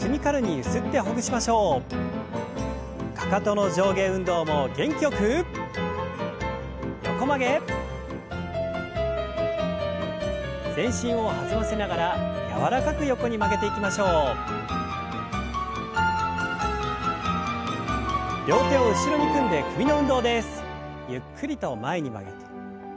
ゆっくりと前に曲げて。